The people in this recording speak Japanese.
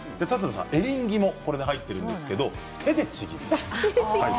エリンギも、この中に入ってるんですけど、手でちぎっています。